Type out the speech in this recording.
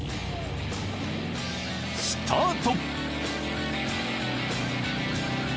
［スタート］